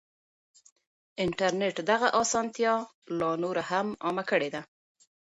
انټرنټ دغه اسانتيا لا نوره هم عامه کړې ده.